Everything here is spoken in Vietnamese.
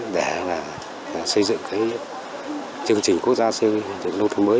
để xây dựng chương trình quốc gia xây dựng nông thôn mới